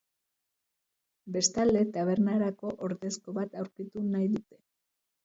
Bestalde, tabernarako ordezko bat aurkitu nahi dute.